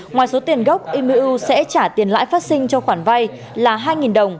ngoài số tiền gốc emiu sẽ trả tiền lãi phát sinh cho khoản vay là hai đồng